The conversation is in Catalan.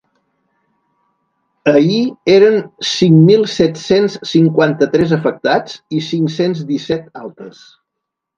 Ahir eren cinc mil set-cents cinquanta-tres afectats i cinc-cents disset altes.